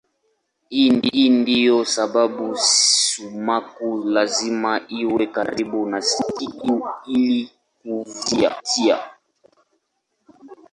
Hii ndiyo sababu sumaku lazima iwe karibu na kitu ili kuvutia.